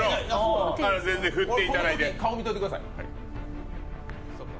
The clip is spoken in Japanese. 全然振っていただいて。